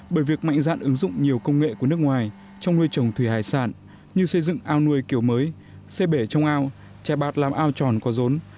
bởi việc mạnh dạn ứng dụng nhiều công nghệ của nước ngoài trong nuôi trồng thủy hải sản như xây dựng ao nuôi kiểu mới xây bể trong ao chai bạt làm ao tròn có rốn